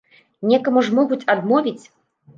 Некаму ж могуць адмовіць.